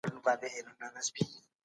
خپلي ورځنۍ چاري به په سمه توګه تنظیموئ.